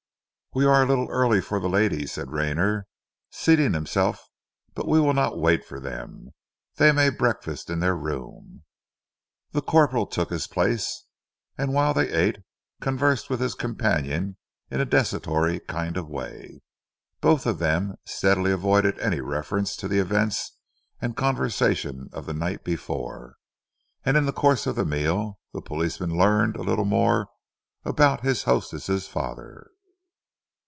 "We are a little early for the ladies," said Rayner, seating himself, "but we will not wait for them. They may breakfast in their room." The corporal took his place, and whilst they ate, conversed with his companion in a desultory kind of way. Both of them steadily avoided any reference to the events and conversation of the night before, and in the course of the meal the policeman learned a little more about his hostess' father.